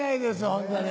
ホントに。